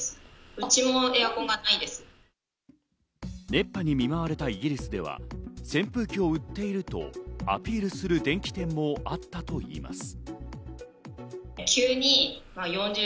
熱波に見舞われたイギリスでは、扇風機を売っているとアピールする電気店もあったといいます。